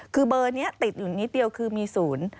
คือเบอร์นี้ติดอยู่นิดเดียวคือมีศูนย์